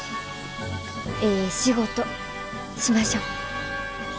ええ仕事しましょう！